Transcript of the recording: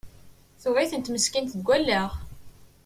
Tuɣ-itent meskint deg allaɣ!